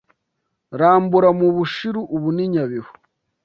Rambura mu Bushiru ubu ni Nyabihu)